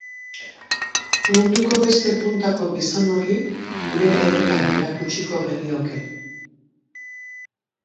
Munduko beste puntako gizon horri gure herria erakutsiko genioke.